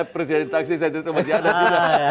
presiden taksi masih ada juga